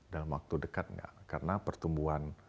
dalam waktu dekat nggak karena pertumbuhan